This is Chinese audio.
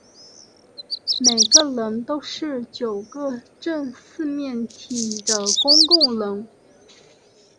每个棱都是九个正四面体的公共棱。